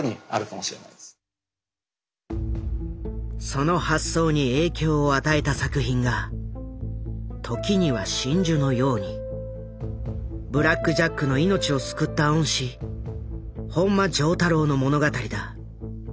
その発想に影響を与えた作品がブラック・ジャックの命を救った恩師本間丈太郎の物語だ。